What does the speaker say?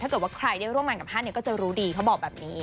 ถ้าเกิดว่าใครได้ร่วมกับฮั่นเนี่ยก็จะรู้ดีเขาบอกแบบนี้